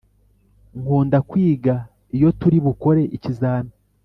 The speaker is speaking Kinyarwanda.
nkundakwiga iyo turibukore ikizami